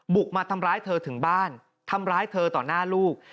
บุกมาทำร้ายเธอถึงบ้านทำร้ายเธอต่อหน้าลูก